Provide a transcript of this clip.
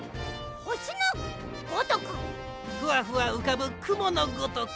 ふわふわうかぶくものごとく。